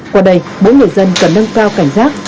qua đây mỗi người dân cần nâng cao cảnh giác